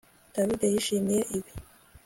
David yishimiye ibi